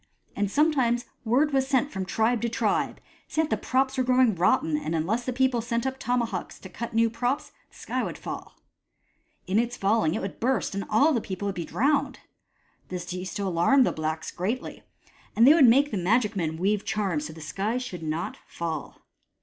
And sometimes word was sent from tribe to tribe, saying that the props were growing rotten, and unless the people sent up tomahawks to cut new props, the sky would fall. In its falling it would burst, and all the people would be drowned. This used to alarm the blacks greatly, and they would make the magic men weave charms so that the sky should not fall.